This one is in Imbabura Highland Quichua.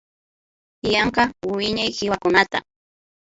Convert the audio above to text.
Yanka wiñay kiwakunata